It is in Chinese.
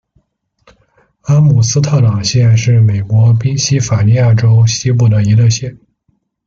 阿姆斯特朗县是美国宾夕法尼亚州西部的一个县。